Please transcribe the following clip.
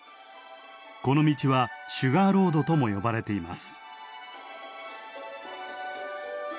この道は「シュガーロード」とも呼ばれています。